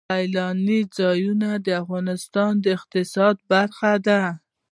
سیلانی ځایونه د افغانستان د اقتصاد برخه ده.